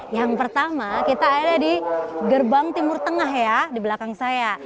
yang pertama kita ada di gerbang timur tengah ya di belakang saya